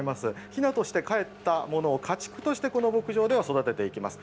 ひなとしてかえったものを家畜としてこの牧場では育てていきます。